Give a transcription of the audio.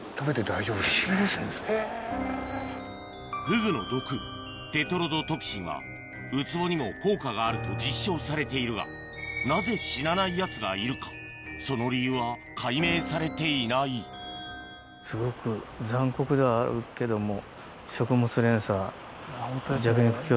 フグの毒テトロドトキシンはウツボにも効果があると実証されているがなぜ死なないやつがいるかその理由は解明されていないすごく残酷ではあるけども。